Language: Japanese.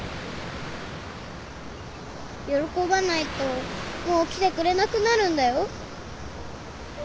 喜ばないともう来てくれなくなるんだよ。